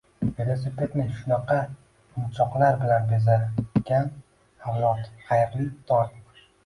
Velosipedini shunaqa "munchoqlar" bilan bezagan avlod, xayrli tong!